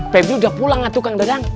pebi udah pulang tuh kang dadang